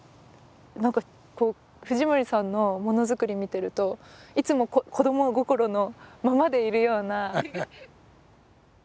何か藤森さんのものづくり見てるといつも子ども心のままでいるような。